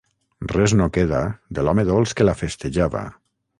Res no queda de l'home dolç que la festejava.